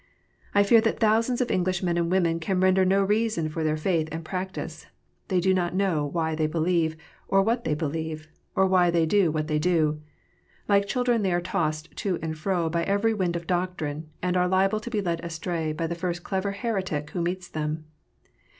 I fear that thousands of English men and women can render no reason of their faith and practice. They do not know why they believe, or what they believe, or why they do what they do. Like children, they are tossed to and fro by every wind of doctrine, and are liable to be led astray by the first clever heretic who meets them.